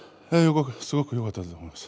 すごくよかったと思います。